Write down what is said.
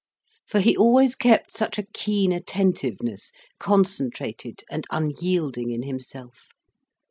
For he always kept such a keen attentiveness, concentrated and unyielding in himself.